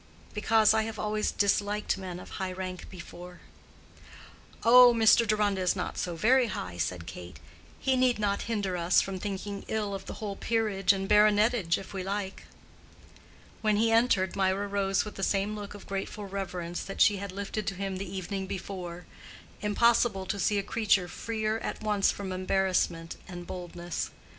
"Because I have always disliked men of high rank before." "Oh, Mr. Deronda is not so very high," said Kate, "He need not hinder us from thinking ill of the whole peerage and baronetage if we like." When he entered, Mirah rose with the same look of grateful reverence that she had lifted to him the evening before: impossible to see a creature freer at once from embarrassment and boldness.